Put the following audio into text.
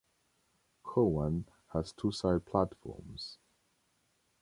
Cowan has two side platforms.